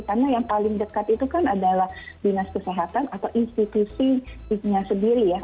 karena yang paling dekat itu kan adalah dinas kesehatan atau institusinya sendiri ya